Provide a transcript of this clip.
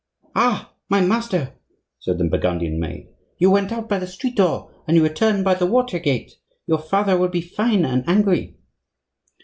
"Ha! my master," said the Burgundian maid, "you went out by the street door, and you return by the water gate. Your father will be fine and angry."